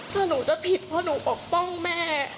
ถ้าหนูจะผิดเพราะหนูปกป้องแม่